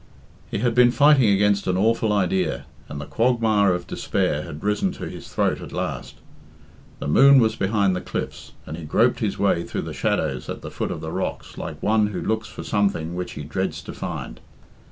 He had been fighting against an awful idea, and the quagmire of despair had risen to his throat at last. The moon was behind the cliffs, and he groped his way through the shadows at the foot of the rocks like one who looks for something which he dreads to find.